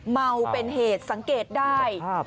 เมาเป็นเหตุสังเกตได้